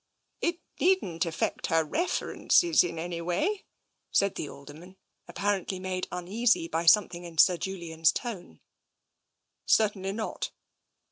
" It needn't affect her references in any way/' said the Alderman, apparently made uneasy by something in Sir Julian's tone. Certainly not."